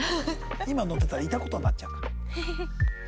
今乗ってたらいた事になっちゃうから。